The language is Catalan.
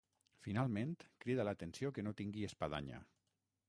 Finalment, crida l'atenció que no tingui espadanya.